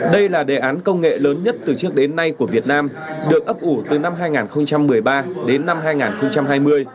đây là đề án công nghệ lớn nhất từ trước đến nay của việt nam được ấp ủ từ năm hai nghìn một mươi ba đến năm hai nghìn hai mươi